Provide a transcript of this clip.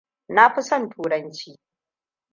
Nafi son turanci.